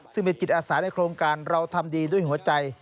ซึ่งเป็นจิตอาสาในโครงการเราทำดีด้วยหัวใจ